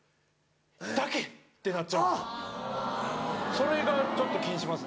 それがちょっと気にしますね。